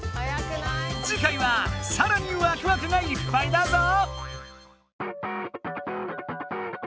次回はさらにワクワクがいっぱいだぞ！